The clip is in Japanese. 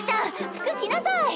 服着なさい。